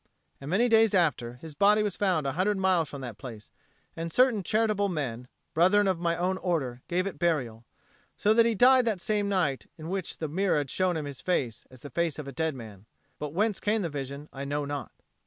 And, many days after, his body was found a hundred miles from that place; and certain charitable men, brethren of my own order, gave it burial. So that he died that same night in which the mirror had shown him his face as the face of a dead man; but whence came the vision I know not.